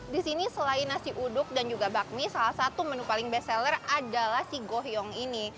di sini selain nasi uduk dan juga bakmi salah satu menu paling best seller adalah si goyong ini